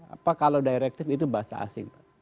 apa kalau directive itu bahasa asing